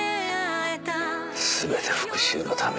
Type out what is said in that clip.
「全て復讐のために」